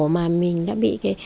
mà mình đã bị cái